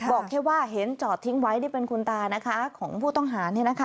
บอกแค่ว่าเห็นจอดทิ้งไว้นี่เป็นคุณตานะคะของผู้ต้องหา